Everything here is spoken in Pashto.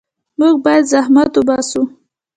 موږ باید زحمت وباسو.